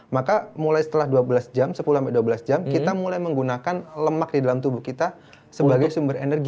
maka mulai setelah dua belas jam sepuluh sampai dua belas jam kita mulai menggunakan lemak di dalam tubuh kita sebagai sumber energi